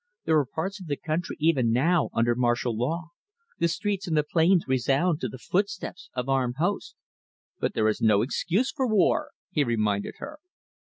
There are parts of the country, even now, under martial law. The streets and the plains resound to the footsteps of armed hosts." "But there is no excuse for war," he reminded her.